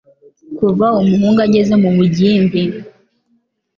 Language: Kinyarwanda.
Kuva umuhungu ageze mu bugimbi,